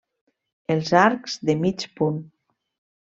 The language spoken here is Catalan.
Els arcs de mig punt.